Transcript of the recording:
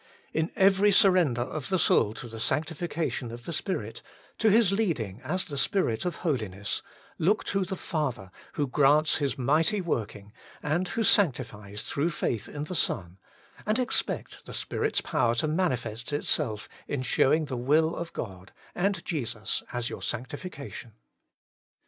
In every sur render of the soul to the sanctification of the Spirit, to His leading as the Spirit of Holiness, look to the Father who grants His mighty working, and who sanctifies through faith in the Son, and expect the Spirit's power to manifest itself in showing the will of God, and Jesus as your Sanctification.